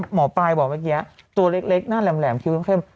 หมอปลายบอกเมื่อกี้ตัวเล็กหน้าแหลมคิ้วเข้ม